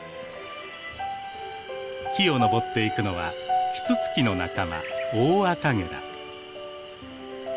木を登っていくのはキツツキの仲間オオアカゲラ。